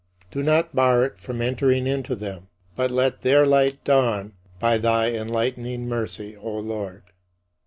Do not bar it from entering into them; but let their light dawn by thy enlightening mercy, O Lord.